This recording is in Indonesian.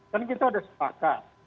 kan kita sudah sepakat